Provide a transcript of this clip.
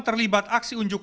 terima kasih pak man